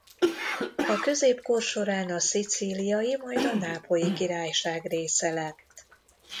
A középkor során a Szicíliai majd Nápolyi Királyság része lett.